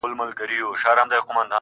د چا خبرو ته به غوږ نه نيسو.